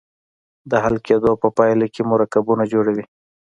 د حل کیدو په پایله کې مرکبونه جوړوي.